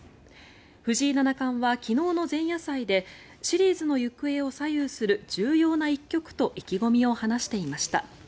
藤井七冠は昨日の前夜祭でシリーズの行方を左右する重要な一局と意気込みを話していました。